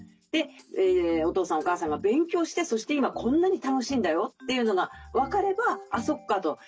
でお父さんお母さんが勉強してそして今こんなに楽しいんだよというのが分かれば「あそっか」と。